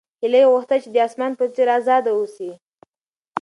هیلې غوښتل چې د اسمان په څېر ازاده اوسي.